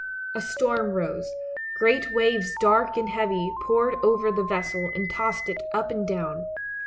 A storm rose, great waves dark and heavy poured over the vessel and tossed it up and down.